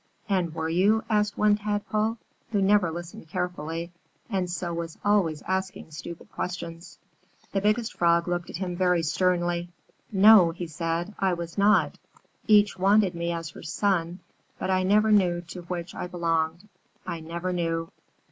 "And were you?" asked one Tadpole, who never listened carefully, and so was always asking stupid questions. The Biggest Frog looked at him very sternly. "No," said he, "I was not. Each wanted me as her son, but I never knew to which I belonged. I never knew!